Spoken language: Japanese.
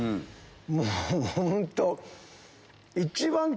もう本当。